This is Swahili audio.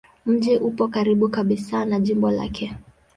Mji upo karibu kabisa na jimbo lake.